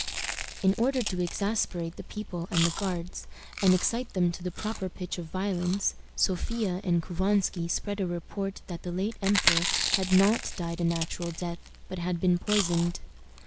In order to exasperate the people and the Guards, and excite them to the proper pitch of violence, Sophia and Couvansky spread a report that the late emperor had not died a natural death, but had been poisoned.